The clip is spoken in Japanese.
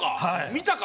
見たか？